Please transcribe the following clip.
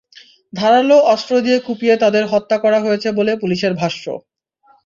ধারালো অস্ত্র দিয়ে কুপিয়ে তাঁদের হত্যা করা হয়েছে বলে পুলিশের ভাষ্য।